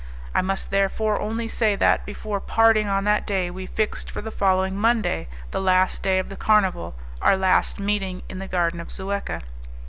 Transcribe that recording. I must therefore only say that, before parting on that day, we fixed for the following Monday, the last day of the carnival, our last meeting in the Garden of Zuecca.